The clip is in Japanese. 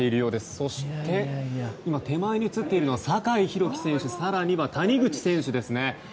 そして、今手前に映っているのが酒井宏樹選手、谷口選手ですね。